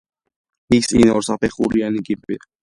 მის წინ ორსაფეხურიანი კიბეა.